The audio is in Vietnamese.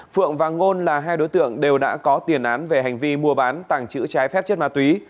phượng và ngôn là hai đối tượng đều đã có tiền án về hành vi mua bán tàng trữ trái phép chất ma túy